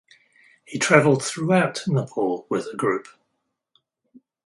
He travelled throughout Nepal with the group.